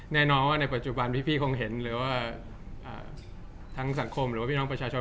แน่นอนว่าในปัจจุบันพี่คงเห็นหรือว่าทั้งสังคมหรือว่าพี่น้องประชาชน